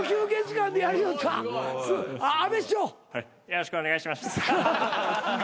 よろしくお願いします。